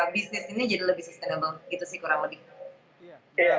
bisnis ini jadi lebih sustainable gitu sih kurang lebih